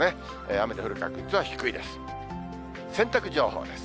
雨の降る確率は低いです。